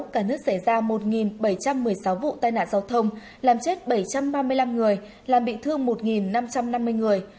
cả nước xảy ra một bảy trăm một mươi sáu vụ tai nạn giao thông làm chết bảy trăm ba mươi năm người làm bị thương một năm trăm năm mươi người